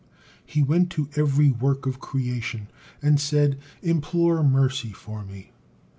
He went to every work of creation and said, "Implore mercy for me."